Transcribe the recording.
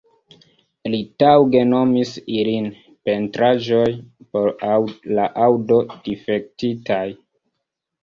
Li taŭge nomis ilin "Pentraĵoj por la Aŭdo-Difektitaj.